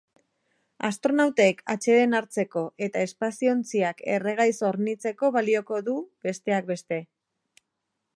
Astronautek atseden hartzeko eta espazio-ontziak erregaiz hornitzeko balioko du, besteak beste.